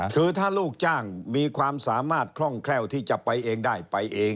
คือถ้าลูกจ้างมีความสามารถคล่องแคล่วที่จะไปเองได้ไปเอง